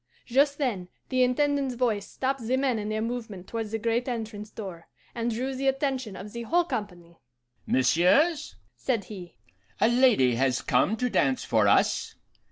"Just then the Intendant's voice stopped the men in their movement towards the great entrance door, and drew the attention of the whole company. 'Messieurs,' said he, 'a lady has come to dance for us.